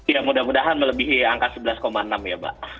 ya mudah mudahan melebihi angka sebelas enam ya mbak